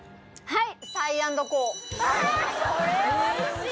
はい！